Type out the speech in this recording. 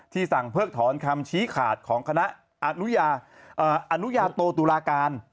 สั่งเพิกถอนคำชี้ขาดของคณะอนุญาโตตุลาการ